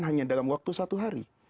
hanya dalam waktu satu hari